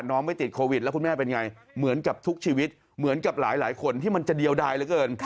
ไม่ติดโควิดแล้วคุณแม่เป็นไงเหมือนกับทุกชีวิตเหมือนกับหลายคนที่มันจะเดียวดายเหลือเกิน